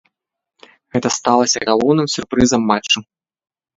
Гэта стала галоўным сюрпрызам матчу.